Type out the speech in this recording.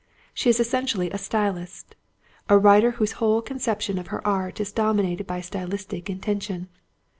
She is essentially a stylist—a writer whose whole conception of her art is dominated by stylistic intention.